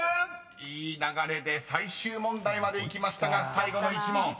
［いい流れで最終問題までいきましたが最後の１問］